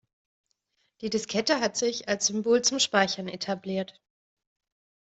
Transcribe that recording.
Die Diskette hat sich als Symbol zum Speichern etabliert.